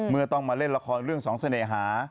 เมื่อต้องมาเล่นละครเรื่องสองเสน่หา